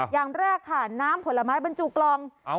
อย่างแรกค่ะน้ำผลไม้บรรจุกล่อง